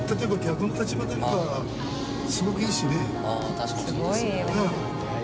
確かにそうですね。